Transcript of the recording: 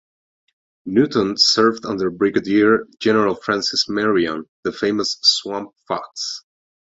Newton served under Brigadier General Francis Marion, the famous "Swamp Fox".